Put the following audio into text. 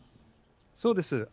そうです。